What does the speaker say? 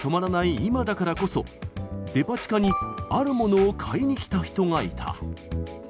今だからこそ、デパ地下に、あるものを買いに来た人がいた。